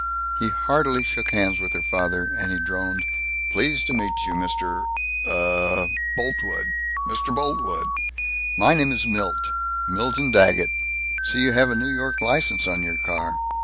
He heartily shook hands with her father, and he droned, "Pleased to meet you, Mr. Uh." "Boltwood." "Mr. Boltwood. My name is Milt Milton Daggett. See you have a New York license on your car.